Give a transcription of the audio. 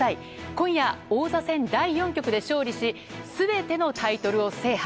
今夜、王座戦第４局で勝利し全てのタイトルを制覇。